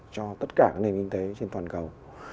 cho tất cả các nền kinh tế trên toàn cầu